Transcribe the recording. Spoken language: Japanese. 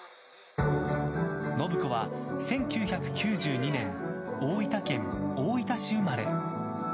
信子は１９９２年大分県大分市生まれ。